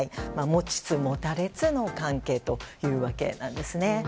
持ちつ持たれつの関係というわけです。